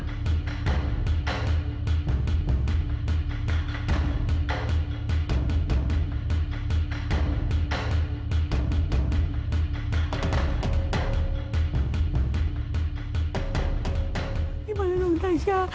gimana dong tansyah